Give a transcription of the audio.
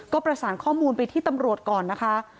ก็ประสานข้อมูลไปที่ตำรวจก่อนนะคะ